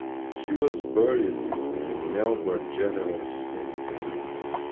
She was buried in Melbourne General Cemetery.